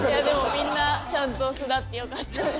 みんなちゃんと巣立ってよかったです。